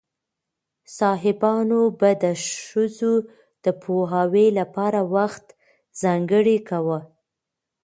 صحابیانو به د ښځو د پوهاوي لپاره وخت ځانګړی کاوه.